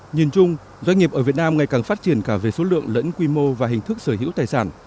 nhìn chung doanh nghiệp ở việt nam ngày càng phát triển cả về số lượng lẫn quy mô và hình thức sở hữu tài sản